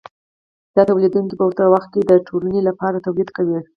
دا تولیدونکي په ورته وخت کې د ټولنې لپاره تولید کوي